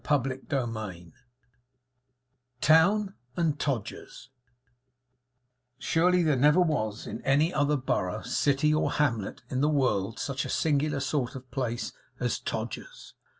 CHAPTER NINE TOWN AND TODGER'S Surely there never was, in any other borough, city, or hamlet in the world, such a singular sort of a place as Todgers's.